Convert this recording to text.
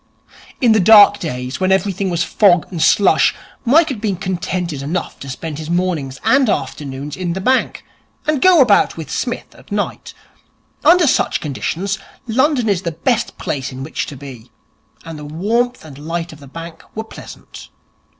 In the dark days, when everything was fog and slush, Mike had been contented enough to spend his mornings and afternoons in the bank, and go about with Psmith at night. Under such conditions, London is the best place in which to be, and the warmth and light of the bank were pleasant.